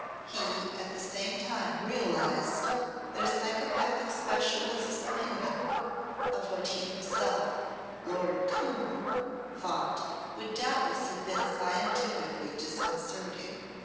He at the same time realised that a psychopathic specialist's opinion of what he himself Lord Coombe thought would doubtless have been scientifically disconcerting.